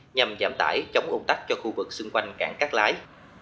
nhằm giảm tải chống ôn tắc cho khu vực xung quanh cảng các lái